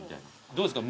どうですか？